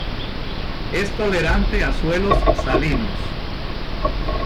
Es tolerante a suelos salinos.